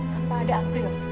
tanpa ada april